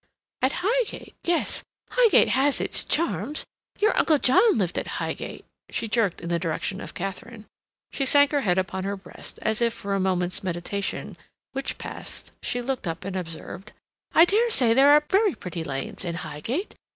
"At Highgate? Yes, Highgate has its charms; your Uncle John lived at Highgate," she jerked in the direction of Katharine. She sank her head upon her breast, as if for a moment's meditation, which past, she looked up and observed: "I dare say there are very pretty lanes in Highgate.